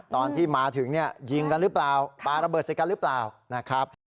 ตอนที่มาถึงยิงกันหรือเปล่าปลาระเบิดใส่กันหรือเปล่า